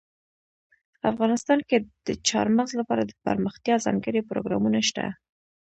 افغانستان کې د چار مغز لپاره دپرمختیا ځانګړي پروګرامونه شته.